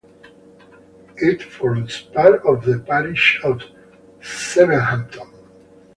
It forms part of the parish of Sevenhampton.